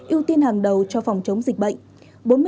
ưu tiên hàng đầu cho phòng chống dịch bệnh